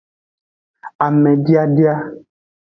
Amediadia.